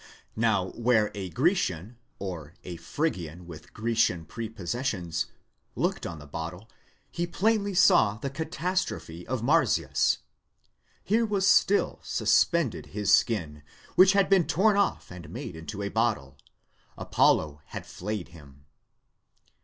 Now where a Grecian, or a Phrygian with Grecian prepossessions, looked on the bottle, he plainly saw the catastrophe of Marsyas ; here was still suspended his skin, which had been torn off and made into a bottle :—Apollo had flayed him.